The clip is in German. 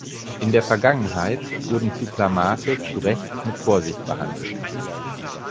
In der Vergangenheit wurden Cyclamate zu Recht mit Vorsicht behandelt.